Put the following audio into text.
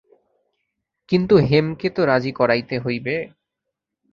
কিন্তু হেমকে তো রাজি করাইতে হইবে।